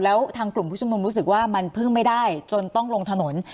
แล้วทางกลุ่มผู้ชุมนุมรู้สึกว่ามันพึ่งไม่ได้จนต้องลงถนน